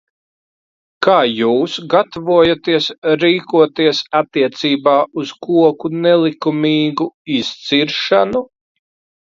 Kā jūs gatavojaties rīkoties attiecībā uz koku nelikumīgu izciršanu?